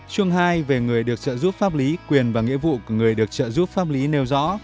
chương hai về người được trợ giúp pháp lý quyền và nghĩa vụ của người được trợ giúp pháp lý nêu rõ